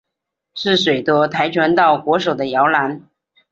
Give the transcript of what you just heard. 是许多跆拳道国手的摇篮。